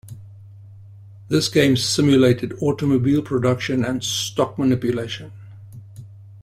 This game simulated automobile production and stock manipulation.